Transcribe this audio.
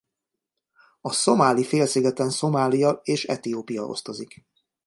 A Szomáli-félszigeten Szomália és Etiópia osztozik.